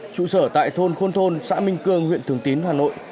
trụ sở tại thôn khuôn thôn xã minh cương huyện thường tín hà nội